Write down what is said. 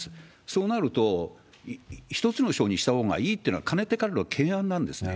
そうなると、１つの省にしたほうがいいというのはかねてからの懸案なんですね。